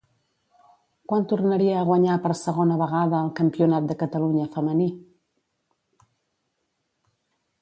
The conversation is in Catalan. Quan tornaria a guanyar per segona vegada el campionat de Catalunya femení?